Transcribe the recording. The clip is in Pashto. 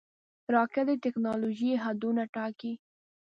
راکټ د ټېکنالوژۍ حدونه ټاکي